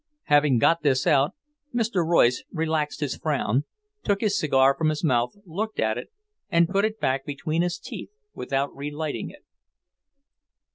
Having got this out, Mr. Royce relaxed his frown, took his cigar from his mouth, looked at it, and put it back between his teeth without relighting it.